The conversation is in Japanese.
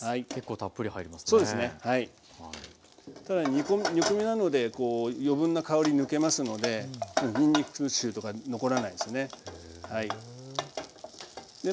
ただ煮込みなのでこう余分な香り抜けますのでにんにく臭とか残らないですね。